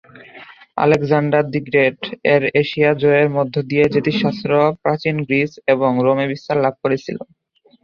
Alexander the great এর Asia জয়ের মধ্য দিয়ে জ্যোতিষশাস্ত্র প্রাচীন গ্রিস এবং রোমে বিস্তার লাভ করেছিল।